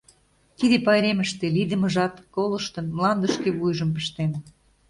Тиде пайремыште Лийдымыжат Колыштын, мландышке Вуйжым пыштен.